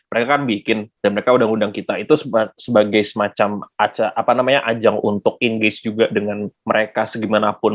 mereka kan bikin dan mereka undang undang kita itu sebagai semacam ajang untuk inggris juga dengan mereka segimanapun